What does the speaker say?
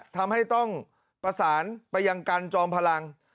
ทำให้ต้องประสานไปยังกันจอมพลัง